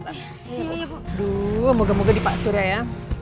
aduh moga moga nih pak surya ya